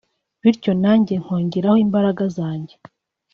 bityo nanjye nkongeraho imbaraga zanjye